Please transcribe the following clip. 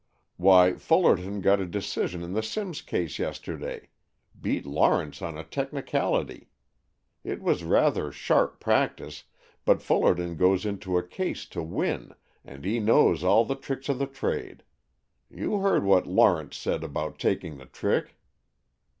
"Why, Fullerton got a decision in the Symes case yesterday, beat Lawrence on a technicality. It was rather sharp practice, but Fullerton goes into a case to win, and he knows all the tricks of the trade. You heard what Lawrence said about taking the trick?"